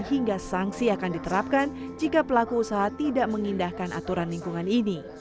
hingga sanksi akan diterapkan jika pelaku usaha tidak mengindahkan aturan lingkungan ini